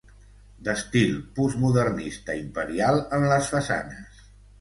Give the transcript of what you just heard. D'estil postmodernista imperial en les façanes.